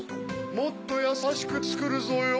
もっとやさしくつくるぞよ。